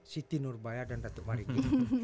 siti nurbaya dan datuk mariti